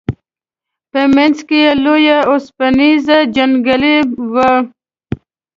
په منځ کې لوی اوسپنیزې جنګلې وې.